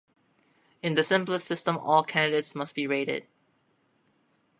In the simplest system, all candidates must be rated.